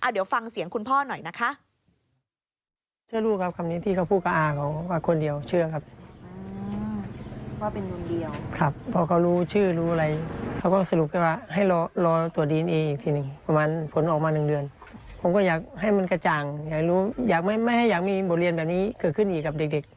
เดี๋ยวฟังเสียงคุณพ่อหน่อยนะคะ